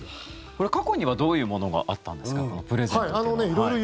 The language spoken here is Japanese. これは過去にはどういうものがあったんですかプレゼントというのは。